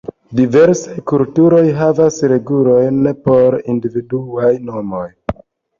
Diversaj kulturoj havas regulojn por individuaj nomoj.